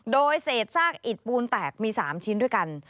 โดยเศษซากอิดปูนแตกมี๓ชิ้นด้วยกัน